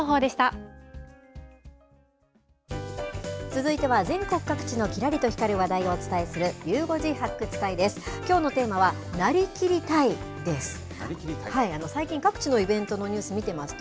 続いては、全国各地のきらりと光る話題をお伝えする、ゆう５時発掘隊です。